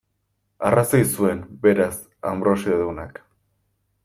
Arrazoi zuen, beraz, Anbrosio deunak.